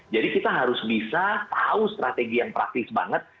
jadi kita harus bisa tahu strategi yang praktis banget